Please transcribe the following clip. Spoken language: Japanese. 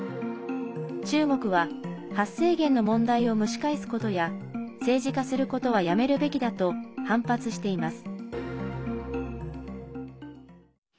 中国は、発生源の問題を蒸し返すことや政治化することはやめるべきだと反発しています。